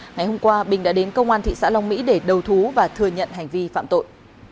ngày hôm qua bình đã đến công an thị xã long mỹ để đầu thú và thừa nhận hành vi phạm tội